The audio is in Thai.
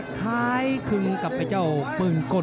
กระหน่าที่น้ำเงินก็มีเสียเอ็นจากอุบลนะครับ